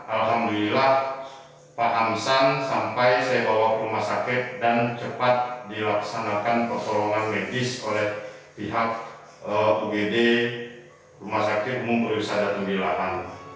alhamdulillah pak hamsan sampai saya bawa ke rumah sakit dan cepat dilaksanakan pertolongan medis oleh pihak ugd rumah sakit umum risada tembilahan